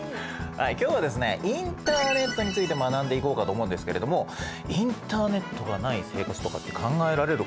インターネットについて学んでいこうかと思うんですけれどもインターネットがない生活とかって考えられる？